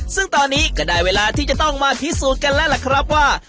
ซึ่งตอนนี้ก็ได้เวลาที่จะต้องมาพิสูจน์กันแล้วล่ะครับว่า